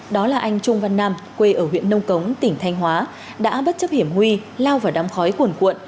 đó là anh trung văn nam quê ở huyện nông cống tỉnh thanh hóa đã bất chấp hiểm nguy lao vào đám khói cuồn cuộn